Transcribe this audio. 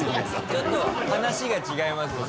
ちょっと話が違いますよね